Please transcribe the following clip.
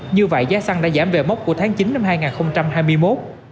như vậy giá xăng đã giảm về mốc của tháng chín năm hai nghìn hai mươi một